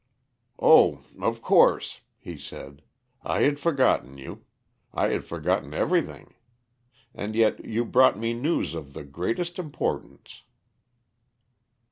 "Oh, of course," he said. "I had forgotten you; I had forgotten everything. And yet you brought me news of the greatest importance."